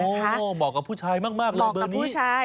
โอ้เหมาะกับผู้ชายมากเหมาะกับผู้ชาย